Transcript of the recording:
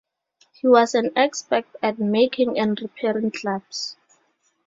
He was an expert at making and repairing clubs.